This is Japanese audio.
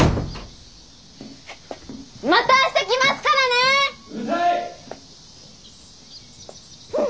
また明日来ますからねー！